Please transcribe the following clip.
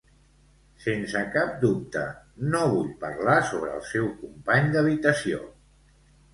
Sense cap dubte, no vull parlar sobre el seu company d'habitació.